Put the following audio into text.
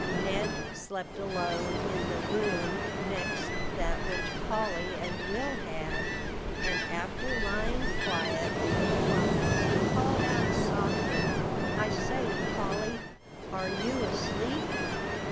Ned slept alone in the room next that which Polly and Will had; and, after lying quiet a little while, he called out softly: "I say, Polly, are you asleep?"